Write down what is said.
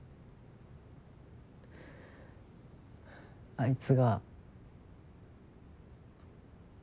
あいつが。